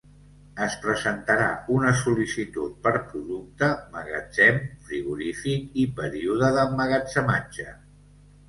Es presentarà una sol·licitud per producte, magatzem frigorífic i període d'emmagatzematge.